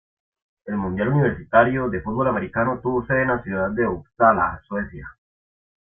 El Mundial Universitario de Fútbol Americano tuvo sede en la ciudad de Uppsala, Suecia.